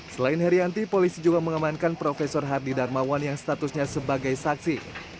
selain herianti polisi juga mengamankan prof hardy darmawan yang statusnya sebagai saksi